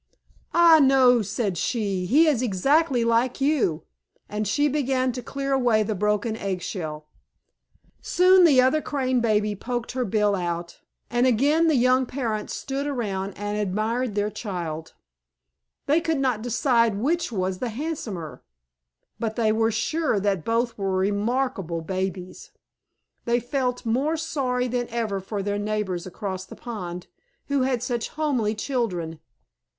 "Ah, no," said she. "He is exactly like you." And she began to clear away the broken egg shell. Soon the other Crane baby poked her bill out, and again the young parents stood around and admired their child. They could not decide which was the handsomer, but they were sure that both were remarkable babies. They felt more sorry than ever for their neighbors across the pond, who had such homely children.